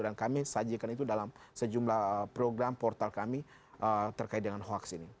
dan kami sajikan itu dalam sejumlah program portal kami terkait dengan hoax ini